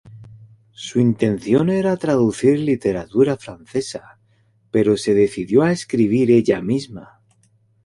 Su intención era traducir literatura francesa, pero se decidió a escribir ella misma.